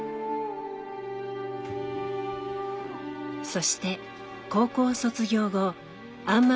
そして高校卒業後あん摩